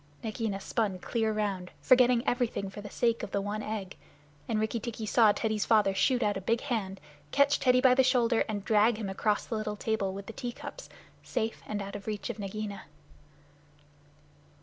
Nagaina spun clear round, forgetting everything for the sake of the one egg. Rikki tikki saw Teddy's father shoot out a big hand, catch Teddy by the shoulder, and drag him across the little table with the tea cups, safe and out of reach of Nagaina.